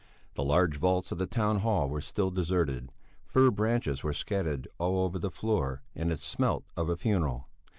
The large vaults of the town hall were still deserted; fir branches were scattered all over the floor, and it smelt of a funeral.